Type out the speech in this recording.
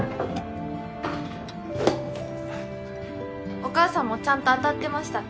お母さんもちゃんと当たってましたか？